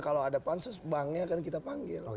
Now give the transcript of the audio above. kalau ada pansus banknya akan kita panggil